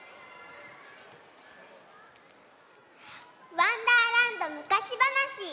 わんだーらんどむかしばなし。